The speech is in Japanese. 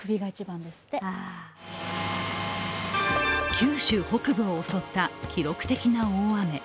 九州北部を襲った記録的な大雨。